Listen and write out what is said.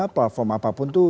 platform apapun tuh